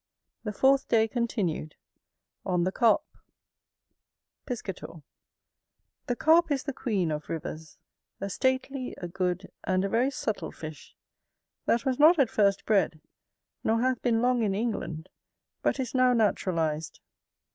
The fourth day continued On the Carp Chapter IX Piscator The Carp is the queen of rivers; a stately, a good, and a very subtil fish; that was not at first bred, nor hath been long in England, but is now naturalised.